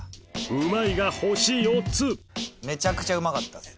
うまいが星４つめちゃくちゃうまかったっす。